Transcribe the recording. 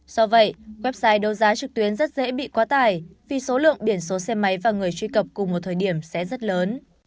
do vậy website đấu giá trực tuyến rất dễ bị quá tải vì số lượng biển số xe máy và người truy cập cùng một thời điểm sẽ rất lớn